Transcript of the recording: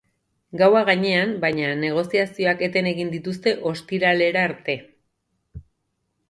Gaua gainean, baina, negoziazioak eten egin dituzte ostiralera arte.